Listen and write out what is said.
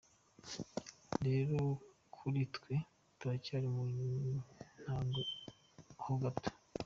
Rero kuri twe, turacyari mu ntango ho gato.